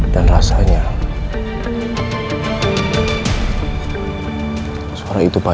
dan ada suara yang gak asing buat saya